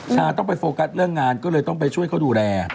ต้องไปโฟกัสเรื่องงานก็เลยต้องไปช่วยเขาดูแล